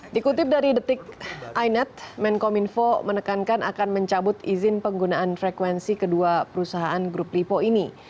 dikutip dari detik inet menkom info menekankan akan mencabut izin penggunaan frekuensi kedua perusahaan grup lipo ini